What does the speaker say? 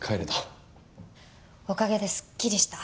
おかげですっきりした。